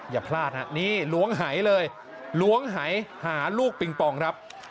อย่าพลาดนะนี่หลวงไหลเลยหลวงไหลหาลูกปิงปองครับ